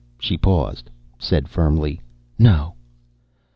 She paused, said firmly, "No."